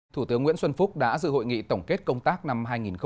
thủ tướng nguyễn xuân phúc đã dự hội nghị tổng kết công tác năm hai nghìn một mươi chín